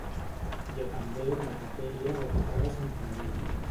Hi ha també una capella dedicada a Santa Maria.